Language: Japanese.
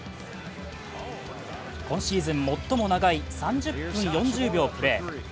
今シーズン最も長い３０分４０秒プレー。